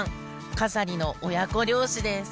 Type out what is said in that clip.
笠利の親子漁師です